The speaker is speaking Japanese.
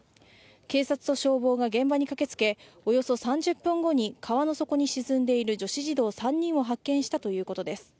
警察と消防が現場に駆けつけおよそ３０分後に川の底に沈んでいる女子児童３人を発見したということです。